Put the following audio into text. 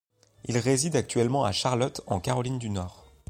Il réside actuellement à Charlotte en Caroline du Nord.